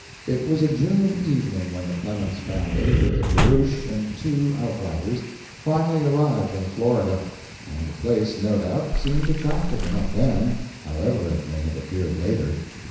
It was a June evening when the Clemens family, with the barouche and the two outriders, finally arrived in Florida, and the place, no doubt, seemed attractive enough then, however it may have appeared later.